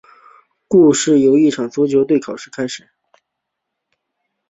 故事由一场足球队的考试开始。